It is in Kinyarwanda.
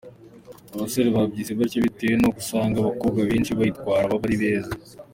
Abasore bayise batya bitewe n’uko usanga abakobwa benshi bayitwara baba ari beza.